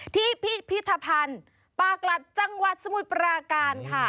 พิพิธภัณฑ์ปากลัดจังหวัดสมุทรปราการค่ะ